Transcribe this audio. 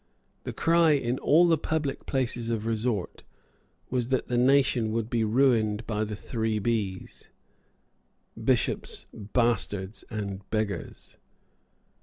The cry in all the public places of resort was that the nation would be ruined by the three B's, Bishops, Bastards, and Beggars.